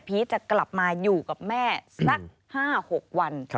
จะกลับมาอยู่กับแม่สัก๕๖วัน